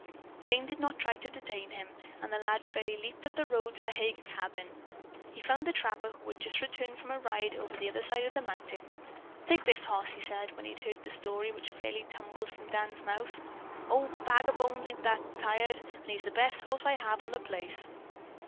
Jane did not try to detain him, and the lad fairly leaped up the road to the Heger cabin. He found the trapper, who had just returned from a ride over the other side of the mountain. "Take this hoss," he said, when he had heard the story which fairly tumbled from Dan's mouth. "Ol' Bag o' Bones ain't a bit tired, and he's the best hoss I have on the place."